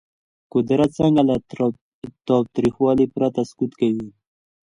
قدرت څنګه له تاوتریخوالي پرته سقوط کوي؟